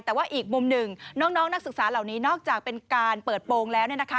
แต่ว่าอีกมุมหนึ่งน้องนักศึกษาเหล่านี้นอกจากเป็นการเปิดโปรงแล้ว